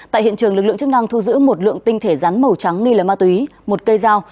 tại hiện trường lực lượng chức năng thu giữ một lượng tinh thể rắn màu trắng nghi lấy ma túy một cây dao